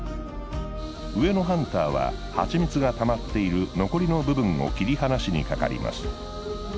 上のハンターは蜂蜜がたまっている残りの部分を切り離しにかかります。